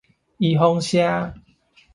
預防射